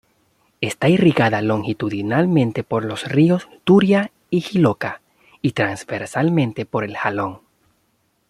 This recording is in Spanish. Está irrigada longitudinalmente por los ríos Turia y Jiloca, y transversalmente por el Jalón.